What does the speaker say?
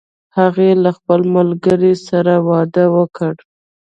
هغې له خپل ملګری سره واده وکړ